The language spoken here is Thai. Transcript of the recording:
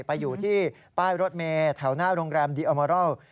ไปอยู่ที่ป้ายรถเมย์แถวหน้าโรงแรมดีเออร์เมอรอล